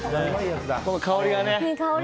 この香りがね。